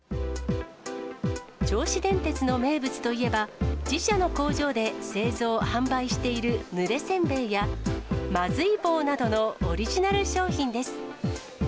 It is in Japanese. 銚子電鉄の名物といえば、自社の工場で製造・販売している、ぬれ煎餅や、まずい棒などのオリジナル商品です。